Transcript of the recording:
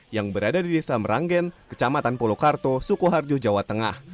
yang berada di desa meranggen kecamatan polokarto sukoharjo jawa tengah